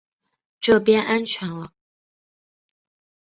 这边安全了